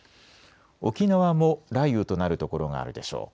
沖縄も雷雨となる所があるでしょう。